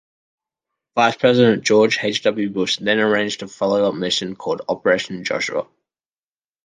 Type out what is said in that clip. Vice President George H. W. Bush then arranged a follow-up mission called Operation Joshua.